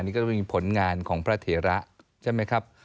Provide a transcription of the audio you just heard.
นี่ก็จะมีผลงานของพระเถระใช่ไหมครับ